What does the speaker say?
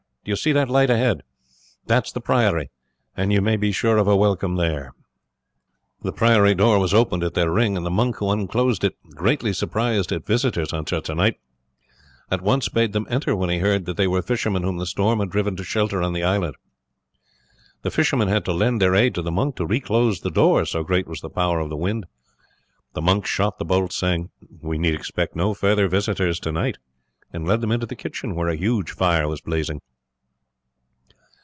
do you see that light ahead? That is the priory, and you may be sure of a welcome there." The priory door was opened at their ring, and the monk who unclosed it, greatly surprised at visitors on such a night, at once bade them enter when he heard that they were fishermen whom the storm had driven to shelter on the island. The fishermen had to lend their aid to the monk to reclose the door, so great was the power of the wind. The monk shot the bolts, saying, "We need expect no further visitors tonight;" and led them into the kitchen, where a huge fire was blazing.